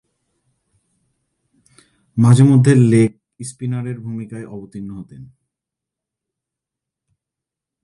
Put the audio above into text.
মাঝে-মধ্যে লেগ স্পিনারের ভূমিকায় অবতীর্ণ হতেন।